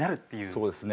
そうですね。